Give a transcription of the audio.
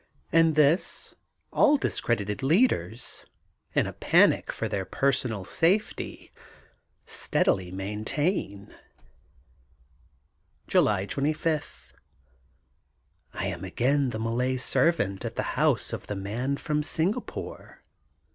And this, all discredited leaders, in a panic for their personal safety, steadily maintain. July 25: — ^I am again the Malay servant at the house of the Man from Singapore.